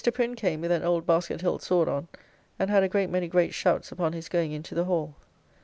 Prin came with an old basket hilt sword on, and had a great many great shouts upon his going into the Hall.